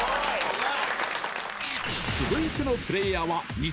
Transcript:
［続いてのプレーヤーは］